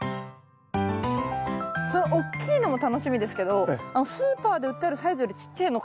その大きいのも楽しみですけどスーパーで売ってるサイズよりちっちゃいのを見たことがないから。